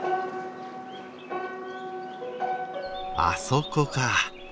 あそこか。